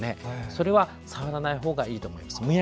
それは触らないほうがいいです。